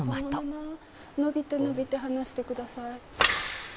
伸びて伸びて離してください。